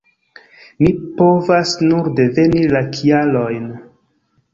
Ni povas nur diveni la kialojn.